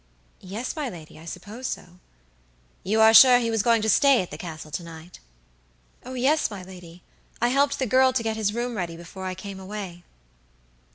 "Yes, my lady, I suppose so." "You are sure he was going to stay at the Castle to night?" "Oh, yes, my lady. I helped the girl to get his room ready before I came away."